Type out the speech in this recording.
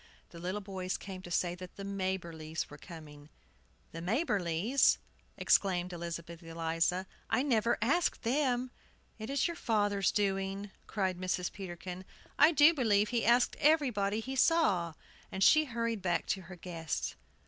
The little boys came to say that the Maberlys were coming. "The Maberlys!" exclaimed Elizabeth Eliza. "I never asked them." "It is your father's doing," cried Mrs. Peterkin. "I do believe he asked everybody he saw!" And she hurried back to her guests.